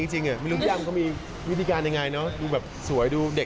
ไม่ไปเลยเหมือนเดิมเลย